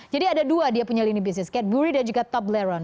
jadi ada dua dia punya lini bisnis kat buri dan juga toblerone